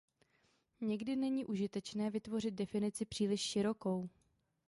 Někdy není užitečné vytvořit definici příliš širokou.